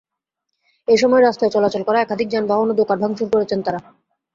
এ সময় রাস্তায় চলাচল করা একাধিক যানবাহন ও দোকান ভাঙচুর করেছেন তাঁরা।